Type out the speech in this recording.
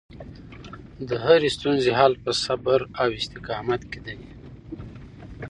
د هرې ستونزې حل په صبر او استقامت کې دی.